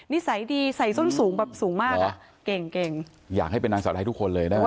นิสัยดีใส่ส้นสูงสูงมากเก่งอยากให้เป็นนางสาวไทยทุกคนเลยนะ